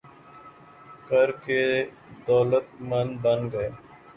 کر کے دولتمند بن گئے